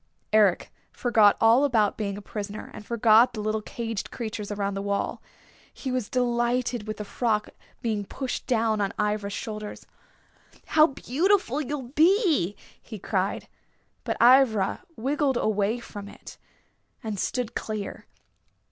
Eric forgot all about being a prisoner, and forgot the little caged creatures around the wall. He was delighted with the frock being pushed down on Ivra's shoulders. "How beautiful you'll be!" he cried. But Ivra wriggled away from it and stood clear.